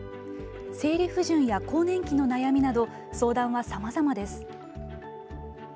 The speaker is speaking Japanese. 生理不順や更年期の悩みなど相談はさまざまです。